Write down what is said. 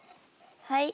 はい。